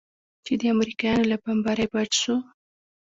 چې د امريکايانو له بمبارۍ بچ سو.